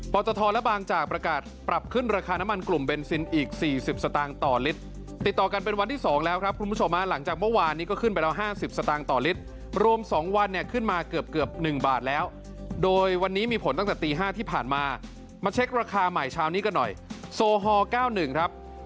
ตทและบางจากประกาศปรับขึ้นราคาน้ำมันกลุ่มเบนซินอีก๔๐สตางค์ต่อลิตรติดต่อกันเป็นวันที่๒แล้วครับคุณผู้ชมหลังจากเมื่อวานนี้ก็ขึ้นไปแล้ว๕๐สตางค์ต่อลิตรรวม๒วันเนี่ยขึ้นมาเกือบเกือบ๑บาทแล้วโดยวันนี้มีผลตั้งแต่ตี๕ที่ผ่านมามาเช็คราคาใหม่เช้านี้กันหน่อยโซฮอล๙๑ครับ